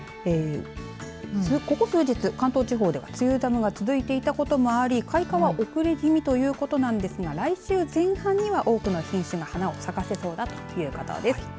ここ数日、関東地方で梅雨寒が続いていたこともあり開花は遅れ気味ということなんですが来週前半には多くの品種の花を咲かせそうだということです。